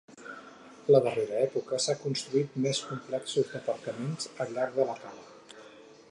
La darrera època s'han construït més complexos d'apartaments al llarg de la cala.